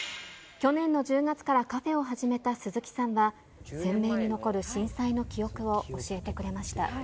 去年の１０月からカフェを始めた鈴木さんは、鮮明に残る震災の記憶を教えてくれました。